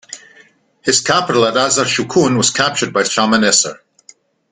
His capital at Arzashkun was captured by Shalmaneser.